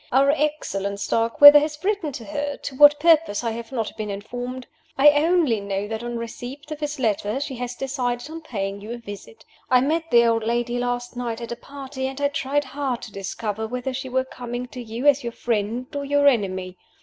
Our excellent Starkweather has written to her to what purpose I have not been informed. I only know that on receipt of his letter she has decided on paying you a visit. I met the old lady last night at a party, and I tried hard to discover whether she were coming to you as your friend or your enemy.